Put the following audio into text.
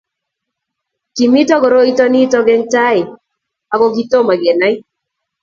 kimito koroito nito eng' tai aku kitomo kenai